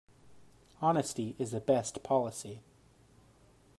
Honesty is the best policy.